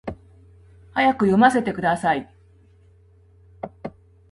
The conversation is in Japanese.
早く読ませてください